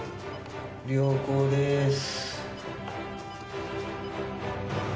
良好でーす。